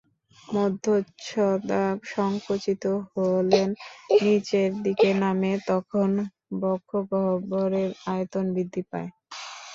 মধ্যচ্ছদা সংকুচিত হলে নিচের দিকে নামে, তখন বক্ষগহ্বরের আয়তন বৃদ্ধি পায়।